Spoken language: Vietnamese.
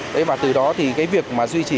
thế và từ đó thì cái việc mà duy trì